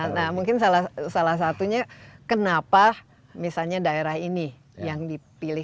nah mungkin salah satunya kenapa misalnya daerah ini yang dipilih